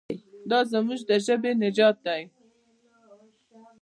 دا زموږ د ژبې نجات دی.